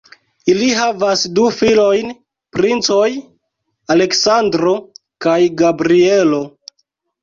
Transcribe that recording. Ili havas du filojn, princoj Aleksandro kaj Gabrielo.